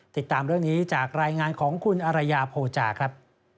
ติดตามเรื่องนี้จากรายงานของคุณอรยาโภจาครับ